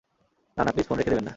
না, না, please phone রেখে দেবেন না!